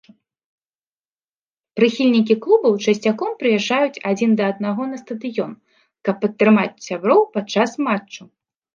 Прыхільнікі клубаў часцяком прыязджаюць адзін да аднаго на стадыён, каб падтрымаць сяброў падчас матчу.